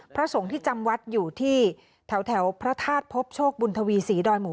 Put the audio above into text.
พระสงฆ์ที่จำวัดอยู่ที่แถวพระธาตุพบโชคบุญทวีศรีดอยหมู่